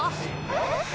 えっ？